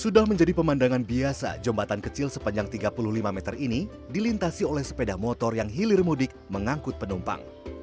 sudah menjadi pemandangan biasa jembatan kecil sepanjang tiga puluh lima meter ini dilintasi oleh sepeda motor yang hilir mudik mengangkut penumpang